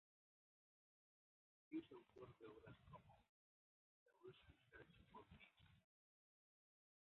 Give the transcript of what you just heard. Es autor de obras como "The Russian Search for Peace.